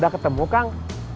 udah ketemu kang